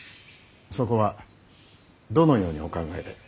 そこはどのようにお考えで？